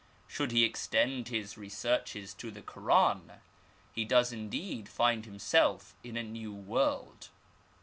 Should he extend his researches to the Koran, he does indeed find himself in a new world.